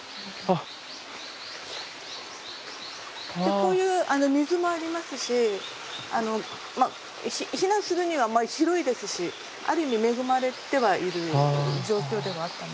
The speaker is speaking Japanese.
こういう水もありますし避難するには広いですしある意味恵まれてはいる状況ではあったんですが。